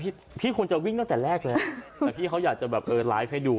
พี่พี่คงจะวิ่งตั้งแต่แรกแล้วแต่พี่เขาอยากจะแบบเออไลฟ์ให้ดู